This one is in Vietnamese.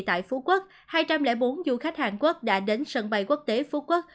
tại phú quốc hai trăm linh bốn du khách hàn quốc đã đến sân bay quốc tế phú quốc